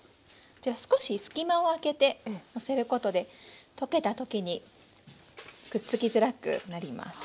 じゃあ少し隙間を空けてのせることで溶けた時にくっつきづらくなります。